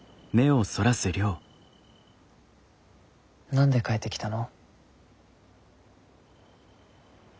何で帰ってきたの？